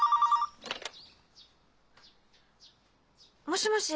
☎もしもし？